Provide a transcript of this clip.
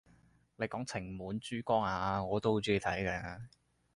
你講情滿珠江咓，我都好鍾意睇㗎！